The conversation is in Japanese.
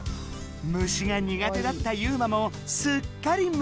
虫が苦手だったユウマもすっかり夢中。